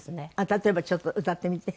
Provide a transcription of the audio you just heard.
例えばちょっと歌ってみて。